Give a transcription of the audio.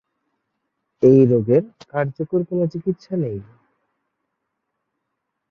এই রোগের কার্যকর কোনও চিকিৎসা নেই।